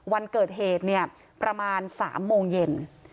วันเกิดเหตุเนี่ยประมาณ๓โมงเย็น